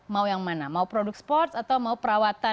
mau yang mana mau produk sports atau mau perawatan